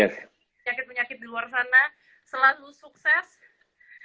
penyakit penyakit di luar sana selalu sukses